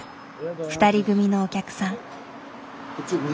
２人組のお客さん。